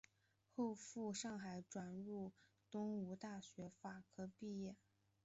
后在赴上海转入东吴大学法科毕业。